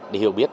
để hiểu biết